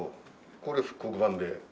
これ復刻版で。